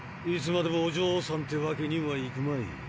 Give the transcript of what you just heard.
いつまでも「おじょうさん」ってわけにはいくまい。